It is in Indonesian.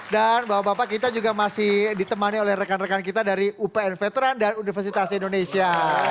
dan bapak bapak kita juga masih ditemani oleh rekan rekan kita dari upn veteran dan universitas indonesia